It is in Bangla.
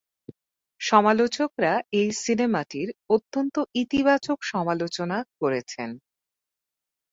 সমালোচকরা এই সিনেমাটির অত্যন্ত ইতিবাচক সমালোচনা করেছেন।